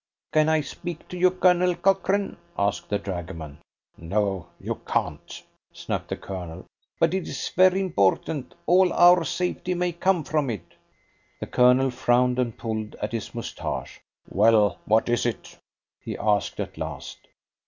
"Can I speak to you, Colonel Cochrane?" asked the dragoman. "No, you can't," snapped the Colonel. "But it is very important all our safety may come from it." The Colonel frowned and pulled at his moustache. "Well, what is it?" he asked at last.